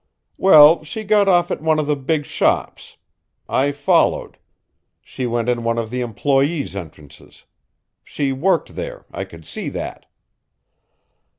"Well, she got off at one of the big shops. I followed. She went in one of the employees' entrances. She worked there I could see that."